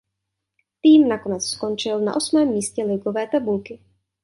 Tým nakonec skončil na osmém místě ligové tabulky.